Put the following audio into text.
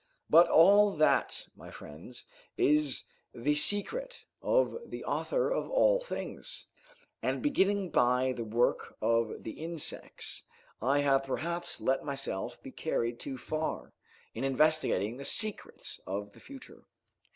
But all that, my friends, is the secret of the Author of all things; and beginning by the work of the insects, I have perhaps let myself be carried too far, in investigating the secrets of the future.